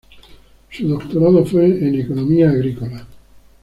Su doctorado fue en Economía Agrícola.